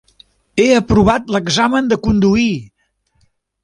He aprovat l'examen de conduir!